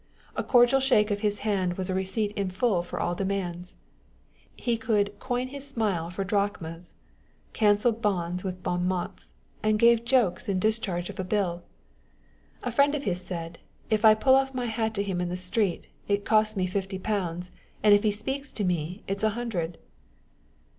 A cordial shake of his hand was a receipt in full for all demands. He could " coin his smile for drachmas," cancelled bonds with bon mots, and gave jokes in discharge of a bill. A friend of his said, " If I pull off my hat to him in the street, it costs me fifty pounds, and if he speaks to me, it's a hundred